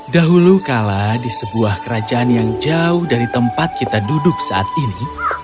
dahulu kala di sebuah kerajaan yang jauh dari tempat kita duduk saat ini